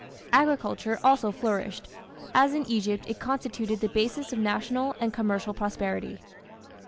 Agriculture also flourished; as in Egypt it constituted the basis of national and commercial prosperity.